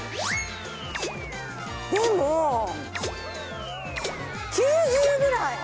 でも、９０ぐらい。